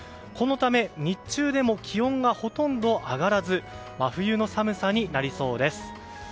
このため日中でも気温がほとんど上がらず真冬の寒さになりそうです。